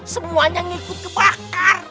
semuanya ngikut kebakar